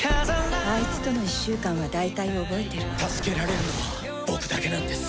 「あいつとの１週間は大体覚えてる」「助けられるのは僕だけなんです」